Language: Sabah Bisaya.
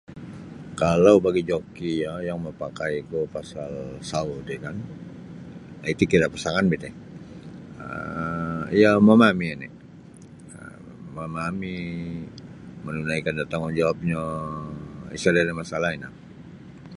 Kalau bagi joki iyo yang mapakaiku pasal sawo ri kan iti kira pasangan bi ti {um] iyo memahami oni memahami menunaikan da tanggungjawabnyo isa nini ada masalah ino